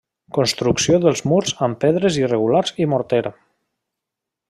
Construcció dels murs amb pedres irregulars i morter.